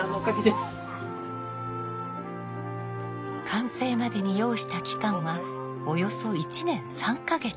完成までに要した期間はおよそ１年３か月。